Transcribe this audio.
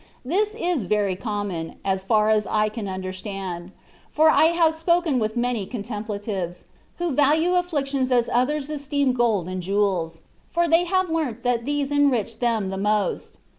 This is very common, as far as I can understand, for I have spoken with many contemplatives, who value afflictions as others esteem gold and jewels, for they have learnt that these enrich them the most.